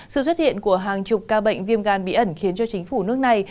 sự xuất hiện của hàng chục ca bệnh viêm gan bí ẩn khiến cho chính phủ nước này